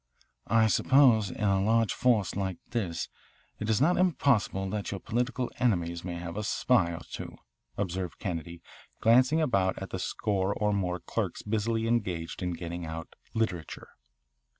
"I suppose in a large force like this it is not impossible that your political enemies may have a spy or two," observed Kennedy, glancing about at the score or more clerks busily engaged in getting out "literature."